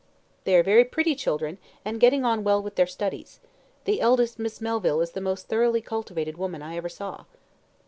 "They are very pretty children, and getting on well with their studies. The eldest Miss Melville is the most thoroughly cultivated woman I ever saw."